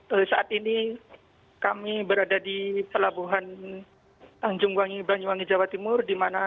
untuk saat ini kami berada di pelabuhan tanjung wangi banyuwangi jawa timur